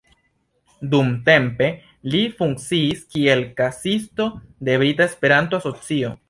Dumtempe li funkciis kiel kasisto de Brita Esperanto-Asocio.